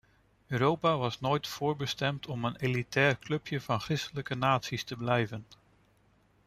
Europa was nooit voorbestemd om een elitair clubje van christelijke naties te blijven.